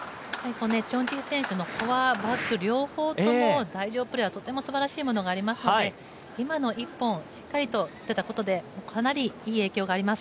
チョン・ジヒ選手のフォア、バック両方とも台上プレーはとてもすばらしいものがあるので今の一本、しっかり出たことでかなり、いい影響があります。